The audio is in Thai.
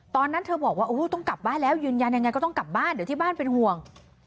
ตอนนั้นเธอบอกว่าต้องกลับบ้านแล้วยืนยันยังไงก็ต้องกลับบ้านเดี๋ยวที่บ้านเป็นห่วง